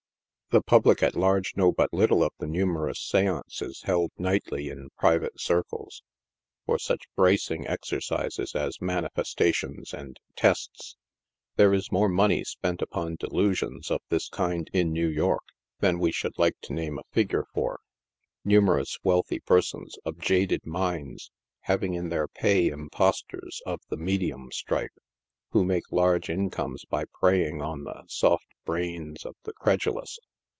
The public at large know but little of the numerous seances held nightly in private circles, for such bracing exercises as " manifesta tions" and " tests." There is more money spent upon delusions of this kind in New York than we should like to name a figure for — numerous wealthy persons, of jaded minds, having in their pay im» postors of the " medium" stripe, who make large incomes by prey ing on the soft brains of the credulous.